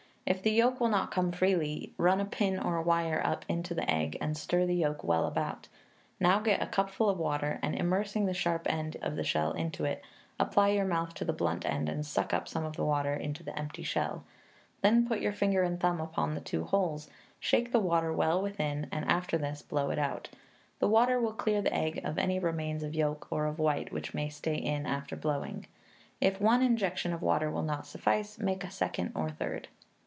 If the yolk will not come freely, run a pin or wire up into the egg, and stir the yolk well about; now get a cupful of water, and immersing the sharp end of the shell into it, apply your mouth to the blunt end and suck up some of the water into the empty shell; then put your finger and thumb upon the two holes, shake the water well within, and after this, blow it out. The water will clear the egg of any remains of yolk or of white which may stay in after blowing. If one injection of water will not suffice, make a second or third.